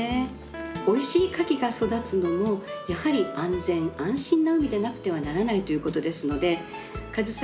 おいしい牡蠣が育つのもやはり安全・安心な海でなくてはならないということですのでかずさ